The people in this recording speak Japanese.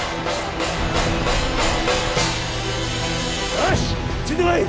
よしついてこい！